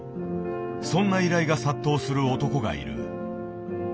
そんな依頼が殺到する男がいる。